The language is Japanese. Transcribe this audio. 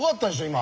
今。